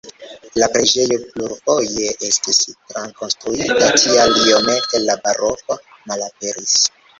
La preĝejo plurfoje estis trakonstruita, tial iomete la baroko malaperis.